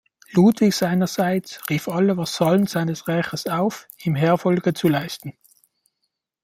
Ludwig seinerseits rief alle Vasallen seines Reiches auf, ihm Heerfolge zu leisten.